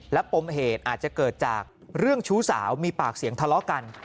และปมเหตุอาจจะเกิดจากเรื่องชู้สาวมีปากเสียงทะเลาะกัน